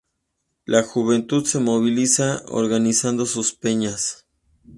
La juventud se moviliza organizando sus peñas.